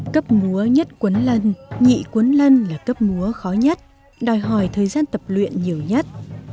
cấp múa nhất cuốn lân nhị cuốn lân là cấp múa khó nhất đòi hỏi thời gian tập luyện nhiều nhất